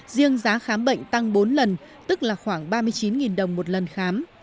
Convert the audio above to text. riêng giá khám bệnh tăng bốn lần tức là khoảng ba mươi chín đồng một lần khám